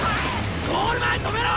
ゴール前止めろ！